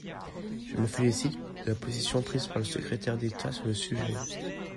Je me félicite de la position prise par le secrétaire d’État sur le sujet.